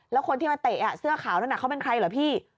แล้วคนที่มาเตะเสื้อขาวนั่นเขาเป็นใครเหรอพี่